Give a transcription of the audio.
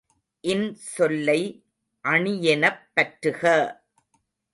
இன்சொல்லை அணியெனப் பற்றுக!